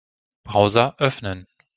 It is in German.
Browser öffnen.